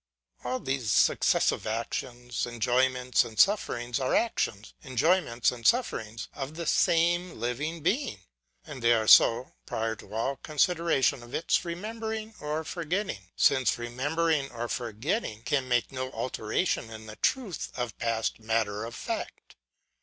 All these successive actions, enjoyments, and sufferings, are actions, enjoyments, and sufferings, of the same living being. And they are so, prior to all con sideration of its remembering or forgetting : since remembering or forgetting can make no alteration in the truth of past matter of fact.